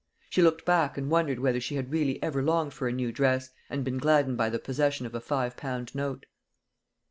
She looked back and wondered whether she had really ever longed for a new dress, and been gladdened by the possession of a five pound note.